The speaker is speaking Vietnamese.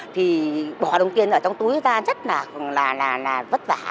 thì bỏ đồng tiền ở trong túi ra rất là vất vả